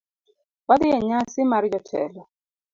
Wadhi enyasi mar jotelo